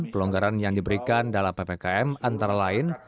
pelonggaran yang diberikan dalam ppkm antara lain